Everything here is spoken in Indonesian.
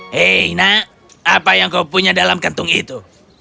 hei nak apa yang kau punya dalam kantung itu